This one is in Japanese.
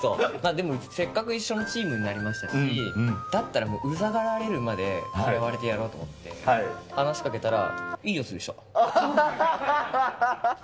でも、せっかく一緒のチームになりましたし、だったらもううざがられるまで嫌われてやろうと思って話しかけたら、いいやつでした。